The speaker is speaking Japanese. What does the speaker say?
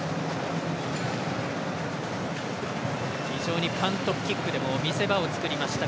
非常にパントキックでも見せ場を作りました